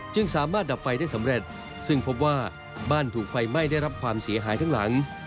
สามารถดับไฟได้สำเร็จซึ่งพบว่าบ้านถูกไฟไหม้ได้รับความเสียหายข้างหลัง